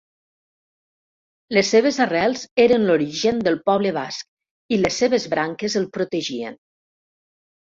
Les seves arrels eren l'origen del poble basc i les seves branques el protegien.